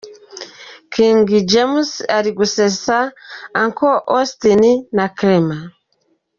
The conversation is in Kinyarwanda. King James ari gusetsa Uncle Austin na Clement !.